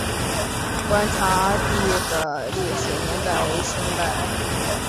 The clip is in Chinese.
观察第的历史年代为清代。